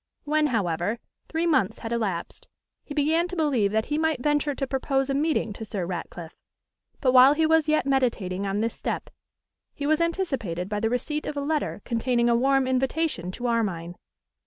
When, however, three months had elapsed, he began to believe that he might venture to propose a meeting to Sir Ratcliffe; but while he was yet meditating on this step, he was anticipated by the receipt of a letter containing a warm invitation to Armine.